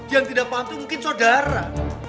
yang tidak paham itu mungkin saudara